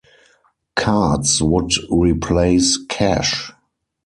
Cards would replace cash.